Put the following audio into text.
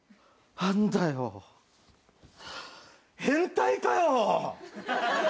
変態かよ！